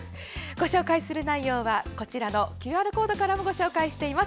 ご紹介する内容はこちらのＱＲコードからもご紹介しています。